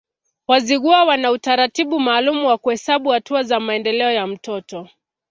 Wazigua wana utaratibu maalum wa kuhesabu hatua za maendeleo ya mtoto